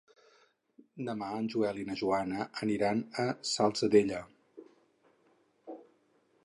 Demà en Joel i na Joana aniran a la Salzadella.